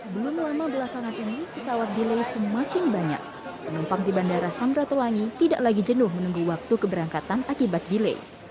belum lama belakangan ini pesawat delay semakin banyak penumpang di bandara samratulangi tidak lagi jenuh menunggu waktu keberangkatan akibat delay